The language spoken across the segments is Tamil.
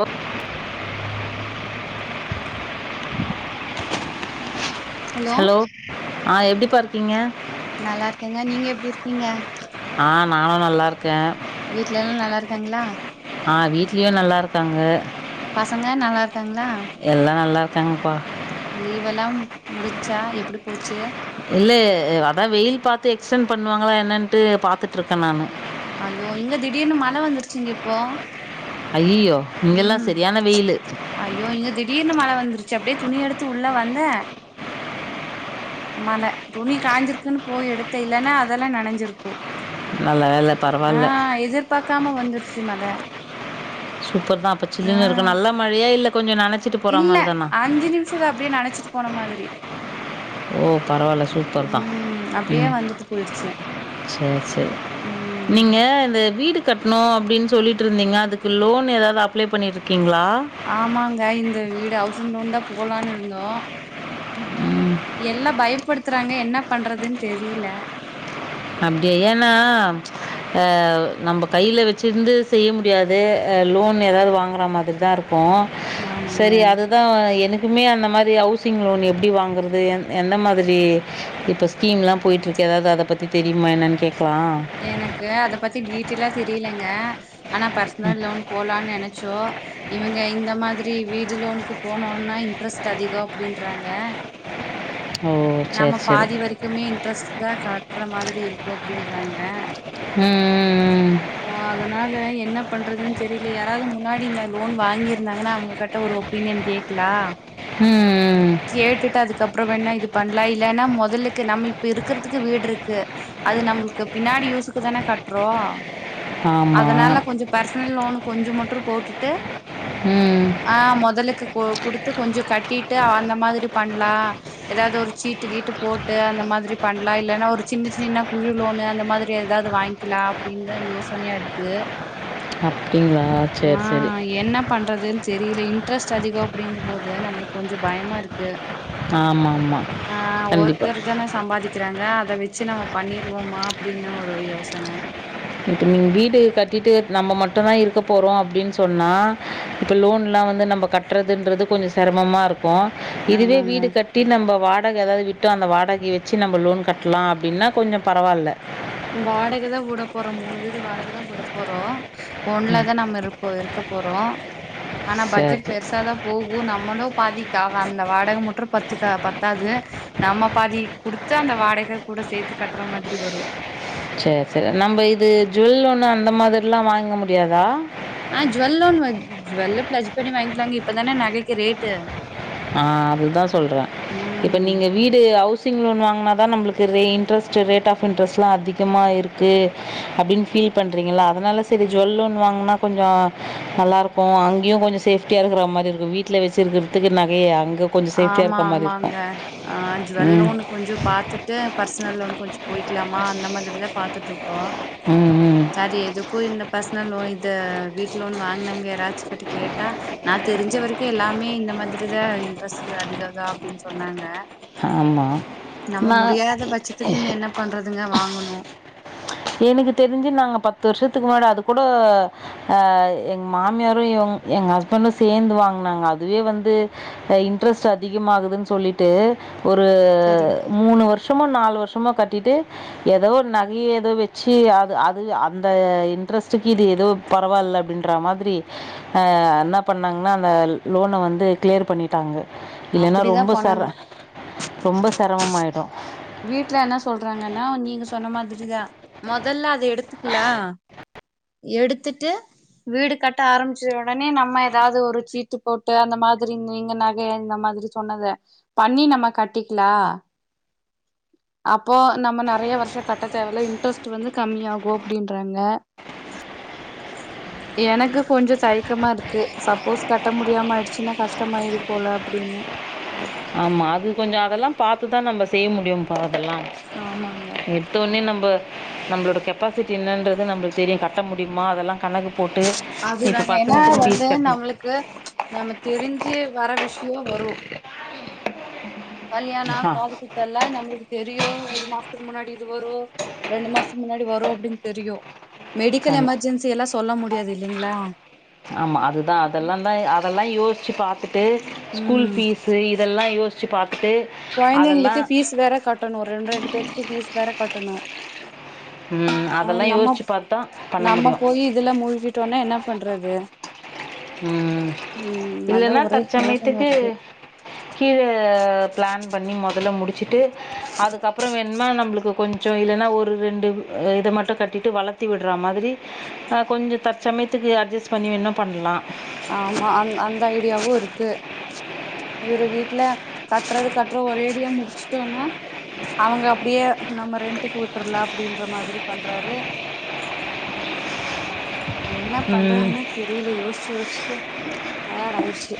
ஒ ஹலோ ஆ எப்டிபா இர்க்கீங்க நல்லாருக்கெங்க நீங்க எப்டி இர்க்கீங்க ஆ நானு நல்லாருக்கே வீட்ல எல்லா நல்லா இ தங்ளா ஆஹ் வீட்லேயும் நல்லாருக்காங்க பசங்க நல்லாருக்காங்ளா தாங்கப்பா லீவெல்லாம் முடிஞ்ச்சா எப்புடி போச்சு இல்லே அதா வெயில் பாத்து எக்ஸ்டென் பண்வாங்ளா என்னன்ட்டு பாத்துட்டுருக்கே நானு அய்யோ இங்க திடிர்னு மழ வந்துருச்சுங்க இப்போ அய்யோயோ இங்ஙகல்லாம் ம் சரியான வெயில் ச்சு அப்படியே துணி எடுத்து உள்ள வந்த ஆமால துணி காயஞ்சிருக்குன்னு போய் எடுத்த இல்லலைன்னா அதெல்லாம் நனைஞ்சிருக்கும் நல்லவேளை பரவால்ல எதிர்பாக்காம [unintelligible] சூப்பர் தான் அப்ப சில்லுனு ஆ இருக்கும் நல்ல மழையா இல்ல கொஞ்ச நாளைக் இல்ல அஞ்சு நிமிஷம் அப்படியே நினைச்சிட்டு போன மாதிரி ஓ பரவாயில்ல சூப்பர் தான் ம் அப்டியே ம் வந்துட்டு போயிருச்சு சரி சரி ம் நீங்க இந்த வீடு கட்டணும் அப்டின்னு சொல்லிட்டு இருந்தீங்க அதுக்கு லோன் ஏதாவது அப்ளை பண்ணி இருக்கீங்களா ஆமாங்க இந்த வீடு ஹவுசிங் லோன் தான் போலாம்னு இருந்தோம் எல்லா பயப்படுத்துறாங்க என்ன பண்றதுன்னு தெரியல அப்படியா ஏன்னா அஹ் நம்ம கையில வச்சிருந்து செய்ய முடியாதுஹ் லோன் ஏதாவது வாங்குற மாதிரிதான் இருக்கும் இருக்கும் ஆமாங்க சரி அதுதான் எனக்கு க்குமே அந்த மாதிரி ஹவுசிங் லோன் எப்படி வாங்கறிறது எந்த மாதிரி இப்போ ஸ்கீம் எலாம் போயிட்டு இருக்கு ஏதாவது அதை பற் த்தரி மனன் க எனக்கு அத பத்தி டீட்டெயலா தெரியலங்க ஆனா பர்சனல் லவுன் போலாம்னு நினைச்சோம் இவங்க இந்த மாதிரி வீடு லோனுக்கு போனோனா இன்ட்ரெஸ்ட் அதிகம் அப்படின்றாங்க ஓ! நம்ம சரி, சரி. பாதி வரைக்குமே இன்ட்ரெஸ்ட் தான் காட்டுறோ ற மாதிரி இருக்கும் அப்படின்றாங்க ம் ம் ம் அதனால என்ன பண்றதுன்னு தெரியல யாராவது முன்னாடி இந்த லோன் வாங்கிிருந்தாங்கன்னா அவங்க கிட்ட ஒரு ஒப்பீனியன் கேட்கலா ம், ம். ம், ம். கேட்டுட்டு அதுக்கப்புறம் வேனா இது பண்லாம் இல்லலைன்னா முதலுக்கு நம்ம இப்ப இருக்கறிறதுக்கு வீடு இருக்கு அது நம்மளுக்கு பின்னாடி யூசுக்கு தானே கட்டுறோம் ஆமா. அதனால கொஞ்சம் பர்சனல் லோனுக் கொஞ்ச மட்டும் போட்டுட்டு ம். ஆ மொதலக்கு குடுத்து கொஞ்சம் கட்டிட்டு அந்த மாதிரி பண்லாம் ஏதாவது ஒரு சீட்டு கீட்டு போட்டு அந்த மாதிரி பண்லாம் இல்லன்னா ஒரு சின்ன சின்ன குழு லோனுு அந்த மாதிரி ஏதாவது வாங்கிக்கலாம் அப்படின்ற யோசனையா இருக்கு அப்படிங்களா செரி செரி தெரியல இன்ட்ரெஸ்ட் அதிகம் அப்படிங்கும் போது நம்மளுக்கு கொஞ்சம் பயமா இருக்கு ஆமா ஆஹ் ஓத்துற தான சம்பாதிக்க வக்கிறாங்க அத வச்சு நம்ம பண்ணிருவோமா அப்படின்னு ஒரு யோசனை இப்ப நீ வீடு கட்டிட்டு நம்ம மட்டுந்தா இருக்க போறோ அப்படின்னு சொன்னா இப்ப லோன் எல்லா வந்து நம்ம கட்டுறதுன்றது கொஞ்சம் சிரமமா இருக் ப்போ இதுவே ஆமாங்க வீடு கட்டி நம்ம வாழ் வாடகை ஏதாவது விட்டும் அந்த வாடகை வச்சு நம்ம லோன் கட்டலா அப்படின்னா கொஞ்ச பரவாயில்ல வாடகை தா விடப் போற மூணு வீடு வாடக கூட போறோ ஒண்ணுலதா நம் இருப்போ இருக்க போறோ ஆனா பட்ஜெட் சரி பெருசாதா போகு நம்மளு பாதிக்க அந்த வாடகை முட்ட பத்துக்க பத்தாவது நம்ம பாதி கொடுத்து அந்த வாடகை கூட சேர்த்து கட்டுற மாதிரி வரு சரி சரி நம்ம இது ஜுவல்லோன் அந்த மாதிரல்லா வாங்க முடியாதா ஆஹ் ஜுவல்லோ ஜுவெல்ல பிளஜ் பண்ணி வாங்கிக்கலாங்க இப்பதானே நகைக்கு ரேட்டு ஆஹ் அதுதா சொல்றே இப்ப ம் நீங்க வீடு ஹவுசிங் லோன் வாங்க அதா நம்மளுக்கு இன்ட்ரெஸ்ட் ரேட் ஆப் இன்ட்ரெஸ்ட்லா அதிகமா இருக்கு அப்டின்னு பீல் பண்றிங்களா அதனால சரி ஜுவெல் லோன் வாங்குனா கொஞ்சோ நல்லாருக்கு அங்கியு கொஞ்ச சேப்டியா இருக்குற மாரி இருக்கு வீட்ல வசுறதுக்கு நா ஏ அங்க ஆமா ஆமாங்க ஆஹ் ஜுவல் ம். லோன் கொஞ்ச பாத்துட்டு பர்சனல் லோன் கொஞ்ச போயிக்கலாமா அந்த அந்த மாதிரிதா பாத்துட்டு இருக் ஓ ம், ம். சாரி எதுக்கோ இந்த பஸ் லோன் இத வீட்டு் லோன் வாங்கினவங்க யாராச்சு க கேட்டா நா தெரிஞ்ச வரைக்கு எல்லாமே இந்த மாதிரிதா இன்ட்ரெஸ்ட் இது அதிகதா அப்டின்னு சொன்னாங்க ஆமா. நம்ம முடியாத நான் பட்சத்துக்கு என்ன பண்றதுங்க வாங்குனோ எனக்கு தெரிஞ்சு நாங்க பத்து வருஷத்துக்கு முன்னாடி அது கூட ஆ எங் மாமியாரு இவ் எங் ஹஸ்பண்டும் சேர்ந்து வாங்குனாங்க அதுவே வந்து இன்ட்ரஸ்ட் அதிகமாகுது சொல்லிட்டு ஒரு சரிங்க மூணு வருஷமோ நாலு வர்ஷ சும்மா கட்டிட்டு ஏதோ ஒரு நகையை ஏதோ வ சி அது அது அந்த இன்ட்ரெஸ்ட்டுக்கு இது எதோ பரவால்ல அப்பிடின்ட மாதிரி ஆஹ் என்ன பண்ணாங்கன்னா அந்த லோனை வந்து கிளியர் பண்ணிட்டாங்க இல்லனா அப்டிதா ரொம்ப சர பண்ணணு ரொம்ப ச சிரமமாயிடும் வீட்ல என்ன சொல்றாங்கன்னா நீங்க சொன்ன மாதிரிதா மொதல்ல அ எடுத்துக்கலா எடுத்துட்டு வீடு கட்ட ஆரம்பிச்ச உடனே நம்ம ஏதாவது ஒரு சீட்டு போட்டு அந்த மாதிரி நீங்க நகை இந்த மாதிரி சொன்னதை பண்ணி நம்ம கட்டிக்கலா அப்போ நம்ம நெறைய வருஷ கட்ட தேவல இன்ட்ரெஸ்ட் வந்து கம்மியாகு அப்பிடின்றாங்க எனக்கு கொஞ்ச தயக்கமா இருக்கு சப்போஸ் கட்ட முடியாமயிடுச்சுன்னா கஷ்டமாயிடு போல அப்பிடின்னு ஆமா அது கொஞ்ச அதெல்லா பாத்துதா நம்ம செய்ய முடியு பா எல்லாம் ஆமாங்க எத்தவொனே நம் ப்ப நம்மளோட கெப்பாசிட்டி என்னன்றது நம்மளுக்கு தெரியு கட்ட முடியுமா அதெல்லா அதுதங்க ஏன்னா வந்து ஃபீஸ் கட்டணும் நம்மளுக்கு நம்ம தெரிஞ்சு வர விஸ் கியூவா வரு கல்யாணம் ஆ காது குத்து எல்லா நம்மளுக்கு தெரியும் ஒரு மாசத்துக்கு முன்னாடி இது வரும் ரெண்டு மாசத்துக்கு முன்னாடி வரும் அப்பிடின்னு தெரியு மெடிக்கல் கண் எமர்ஜென்சி எல்லாம் சொல்ல முடி முடியாது இல்லைங்களா ஆமா அதுதா அதெல்லாம் தா அதெல்லா யோசிச்சு பாத்து ட்டு ஸ்கூல் ம் பீஸ் இதெல்லா யோசிச்சு பாத் கொழந்தைங்களுக்கு ஃபீஸ் வேற கட்டணு ரெண்டு ரெண்டு பேத்துக்கு ஃபீஸ் வேற கட்டணு உம் ஆ அதெல்லா நம்ம யோசிச்சு பாத்துதா பண்ண முடியும் டேனா என்ன பண்றது உம் ம் அதா இல்லனா ஒரே யோசன தற்சமயத்துக்கு இருக்கு கீழ பிளான் பண்ணி முதல்ல முடிச்சிட்டு அதுக்கப்பறம் என்ன நம்மளுக்கு கொஞ்ச இல்லனா ஒரு ரெண்டு இத மட்டும் கட்டிட்டு வளர்த்தி விடுற மாதிரி கொஞ்ச தற்சமயத்துக்கு அட்ஜெஸ்ட் பண்ணி வேணுனா பண்ணலா ஆமா அந் அந்த ஐடியாவு இருக்கு இவரு வீட்டு்ல கட்டுறது கட்டுற ஒரே ஐடியா முடிச்சுட்டோனா அவங்க அப்படியே நம்ம ரெண்ட்டக்கு விட்டுரல அப்படின்ற மாதிரி பண்றாரு என்ன ம் பண்றதுனே தெரியல யோசிச் யோசிச்சு டயர்ட் ஆயிடுச்சு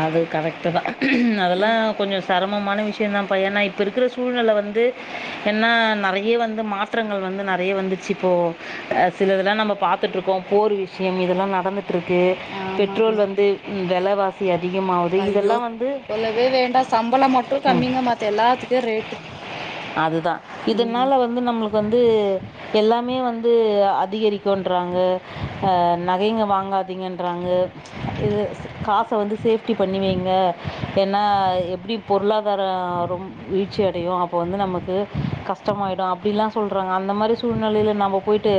அது கரெக்ட் தா அதெல்லா ம் கொஞ்சம் சிரமமான விஷயம் தான்பா ஏன்னா இப்ப இருக்கிற சூழ்நிலையில வந்து என்னா நிறைய வந்து மாற்றங்கள் வந்து நிறைய வந்துச்சு இப்போ சிலதெல்லாம் நம்ம பாத்துட்டு இருக்கோம் போர் விஷயம் இதெல்லாம் நடந்து இருக்கு ஆமாங்க பெட்ரோல் வந்து விலவாசி [unintelligible] ஐயோ சொல்லவே வேண்டா சம்பள மட்டும் கம்மிங்க மாத்த எல்லாத்துக்கும் ரேட்டு் அதுதான் உம் இதனால் வந்து நம்மளுக்கு வந்து எல்லாமே வந்து அதிகரிக்குன்றாங்க நகைங்க வாங்காதீங்கன்றாங்க இது காசு இப்ப வந்து சேப்டி பண்ணி வைங்க ஏன்னா எப்படி பொருளாதார ரொம்ப வீழ்ச்சி அடையும் அப்போ வந்து நமக்கு கஷ்டமா ஆய்டும் அப்படி எல்லா சொல்லுறாங்க அந்த மாதிரி சூழ்நிலையில நம்ம போய்ட்டு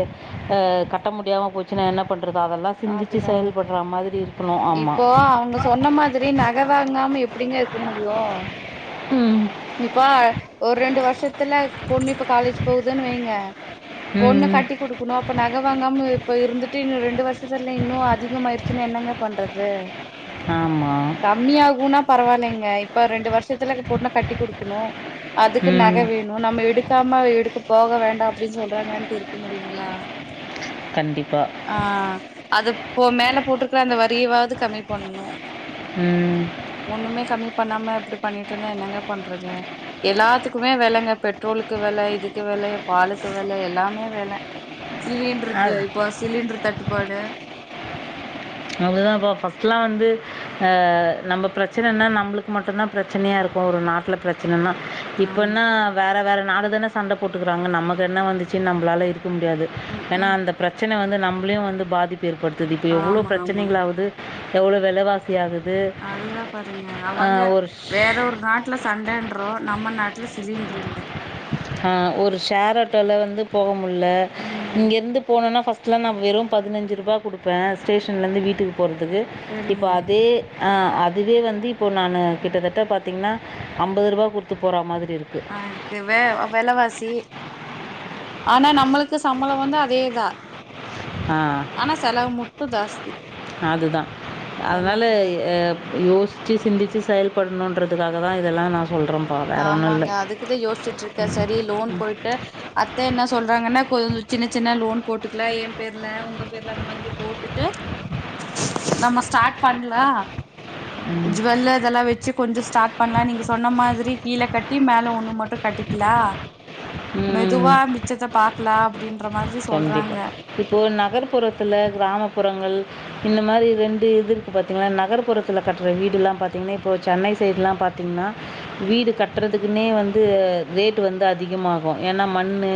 கட்ட முடியாம போயிச்சினா என்ன பண் றது அதெல்லா சிந்திச்சு அதுதாங்க. செயல்படுற மாதிரி இருக்கணு ஆமா இப்போ அவங்க சொன்ன மாதிரி நக வாங்காம எப்படிங்க இருக்க முடியும் ம் இப்பா ஒரு ரெண்டு வருஷ த்துல பொண்ணு இப்ப காலேஜ் போகுதுன்னு வைங்க ஒண்ணு ம் கட்டி குடுக்கணும் அப்ப நக வாங்காம இப்ப இருந்துட்டு ரெண்டு வருஷம் த இன்னு அதிக ஆயிடுச்சுன்னு என்னங்க பண்றது ஆமாம் கம்மியாகும்னா பரவாயில்லைங்க இப்ப ரெண்டு வருஷ சத்துல பொண்ணகட்டி கு டுக்ணு அதுக்கு ம் நகை வேணும் நம்ம எடுக்காம எடுக்க போக வேண்டாம் அப்டின்னு சொல்றாங்கன்ட்டு இருக்க முடியுங்களா கண்டிப்பா ஆ அது மேல போட்டுக்கிற அந்த வரியவாவது கம்மி பண்ணணும் ம் ஒண்ணுமே கம்மி இப்பண்ணாம இப்படி பண்ணிட்டு இருந்தா என்னங்க பண்றது எல்லாத்துக்குமே வெலங்க பெட்ரோலுக்கு வெல இதுக்கு வெல பாலுக்கு வெல எல்லாமே வெல சிலிண்டருக்கு இப்போ சிலிண்டர் தட்டு வடு அப்படித்தான்பா ஃபஸ்ட்லாம் வந்து நம்ம பிரச்சனைனா நம்மளுக்கு மட்டும்தான் பிரச்சனையாக இருக்கும் ஒரு நாட்டில் பிரச்சனைன்னா ஆமா இப்பன்னா வேற வேற நாடு தானே சண்டை போட்டுக்கிறாங்க நமக்கு என்ன வந்துச்சு நம்ளால இருக்கு முடியாது ம் ஏன்னா ம் அந்த பிரச்சனை வந்து நம்மளையும் வந்து பாதிப்பு ஏற்படுத்தது இப்ப எவ்வளோ ஆமா பிர பிரச்சனைங்களாவது எவ்ளோ வெலவாசி அதுதான் பாருங்க அவங்க ஒரு வேற ஒரு நாட்டுல சண்டைன்றோ நம்ம நாட்டுல சிலிண்டர் இல் அ ஆஹ் ஒரு ஷேர் ஆட்டோல வந்து போக உள்ள ம் இங்க இருந்து போனோனா பர்ஸ்ட் ல நான் வெறும் பதினஞ்ரூபா குடுப்பேன் ஸ்டேஷன்லருந்து வீட்டுக்கு போகிறதுக்கு இப்போ சரிங்க அதே ஆஹ அதுவே வந்து இப்போ நான் கிட்டத்தட்ட பாத்தீங்கன்னா ஐம்பது ரூபா குடுத்து போற மாதிரி இருக்குது ஆஹ் இதுவே விலவாசி ஆனா நான் நம்மளுக்கு சம்பளம் வந்து அதேதான் ஆஹ் மட்டு ஜாஸ்தி அதுதான் என்ன அதனால பண்றது யோசி சிந்திச்சு சிந்திச்சு செயல்படணும்ன்றதுக்காக தான் இதெல்லாம் நான் சொல்கிறேன்ப்பா வேறு ஒன்றும் ஆமாங்க இல்லை அதுக்குதா யோசிச்சுட்ருக்கே சரி லோன் போயிட்டு அத்த என்ன சொல்றாங்கனா கொஞ் சின்ன சின்ன லோன் போட்டுக்லா ஏன் பேர்ல உங்க பேர்ல அந்த மாதிரி போட்டுட்டு நம்ம ஸ்டார்ட் பண்லா ஜுவெல் இதுலெல்லா வெச்சு கொஞ்சோ ஸ்டார்ட் பண்லா நீங்க சொன்ன மாதிரி கீழ கட்டி மேல ஒண்ணு மட்டு கட்டிக்கலா மெதுவா மிச்சத்த பாக் ள அப்டின் கண்டிப்பா இப்போ நகர்ப்புறத்துல கிராமப்புறங்கள் இந்த மாரி ரெண்டு இதுக்கு பாத்தீங்னா நகர்புறத்துல கட்ற வீடுலா பாத்தீங்னா இப்போ சென்னை சைடுலா பாத்தீங்னா வீடு கட்டறதுக்குன்னே வந்து ரேட் வந்து அதிகமாகு ஏனா மண்ணு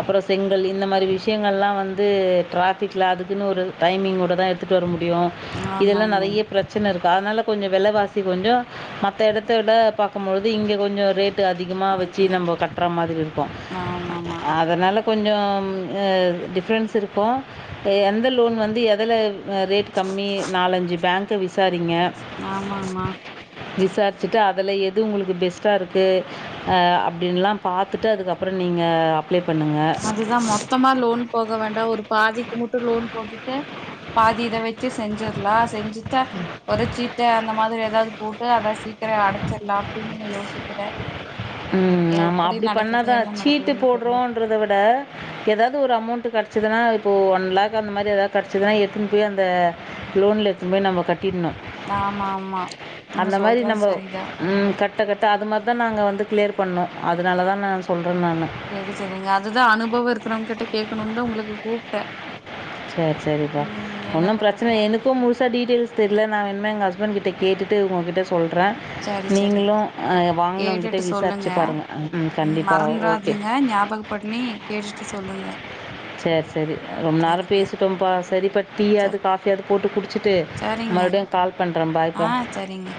அப்பரோ செங்கல் இந்த மாரி விஷயங்கள்லாம் வந்து ட்ராஃபிக்கில அதுக்குன்னு ஒரு டைமிங்கோடு தான் எடுத்துகிட்டு வர முடியும் [unintelligible] இதெல்லா ஆமாங்க நறைய பிரச்சனருக் அதனால கொஞ்சம் வெலவாசி கொஞ்ச மத்த எடத்த விட பாக்கும்பொழுது இங்க கொஞ்ச ரேட் அதிகமா வச்சு அதுதா நம்ம கட்டுற மாதிரி இருக்கும் ஆமாமா அதனால கொஞ்சோ ஆ டிஃபரன்ஸ்ருக்கு எந்த லோன் வந்து எதுல ஆ ரேட் கம்மி நாலஞ்சு பேங்க் விசா சரிங்க ஆமாமா விசாரிச்சுட்டு அ அதுல எது உங்குளுக்கு பெஸ்ட்டா இருக்கு ஆ அப்டின்லா பாத்துட்டு அதுக்கப்பற நீங்க அப்லே பண்ணுங்க அதுதா மொத்தமா லோன் போக வேண்டா ஒரு பாதிக்கு மட்டு லோன் போட்டுட்டு பாதி இத வச்சு செஞ்சிரலா செஞ்சுட்டா ஒரு சீட்ட அந்த மாதிரி எதாது போட்டு அத சீக்கிரொ அடைச்சிடலா அப்டின்னு நா யோசிக்கிறே ம் ஆமா எப்படி அப்டி நடக்குது பண்ணாதா என்ன சீட்டு நடக்குதுன்னு தெரியு போட்றோன்றத விட எதாது ஒரு அமௌன்ட் கெடச்சுதுனா இப்போ ஒன் லக் அந்த மாரி எதாது கெடச்சுதுனா எடுத்துன்போய் அந்த லோன்ல எடுத்துன்போய் நம்ம கட்ட கின்னு ஆமா ஆமா நீங்க அந்த மாரி சொல்றது நம்ம சரிதா ம் கட்ட கட்ட அது மாதிரி தா நாங்க வந் கிளியர் பண்ணு அதனால தா நா சொல் செரி செரிங்க அதுதா அனுபவ இருக்றவங்கிட்ட கேட் ணூன் தா உங்களுக்கு கூப்டே சேர் செரிப்பா ஒன்னும் ப்ரச்ன பண்றதுன்னு எனக்கூ தெர்ல முழுசா டீடெயில்ஸ் தெரில நா வேணுனா எங்க ஹஸ் ஹஸ்பென்ட் கிட்ட கேட்டுட்டு உங்ககிட்ட சொல்ற சரி சரி நீங்களு ஆ வாங்னவங்கிட்ட கேட்டுட்டு சொல்லுங்க விசாரிச்சு பாருங்க அ ம் கண்டிப்பா ஓகே மறந்துறாதீங்க ஞாபகப்பண்ணி கேட்டுட்டு சொல்லுங்க சேர் செரி ரொம்ப நேர சரிங்க பேசிட்டோம்ப்பா சரிப்பா ச டீயாது காஃபியாது போட்டு குடிச்சுட்டு சரிங்க மறுவுடியு கால் பண்ற பாய்பா ஆ சரிங்க